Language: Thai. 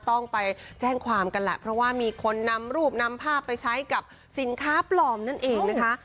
ต้องไปแจ้งความกันแหละเพราะว่ามีคนนำรูปนำภาพไปใช้กับสินค้าปลอมนั่นเองนะคะ